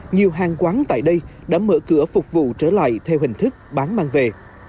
nhiều hàng quán tại đây đã mở cửa phục vụ trở lại theo hình thức bán mang về